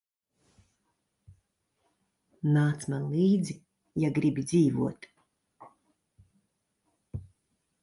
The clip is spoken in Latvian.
Nāc man līdzi, ja gribi dzīvot.